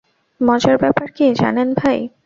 মজার ব্যাপার কী, জানেন ভাই?